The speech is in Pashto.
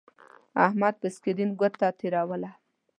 احمد پر سکرین گوته تېروله.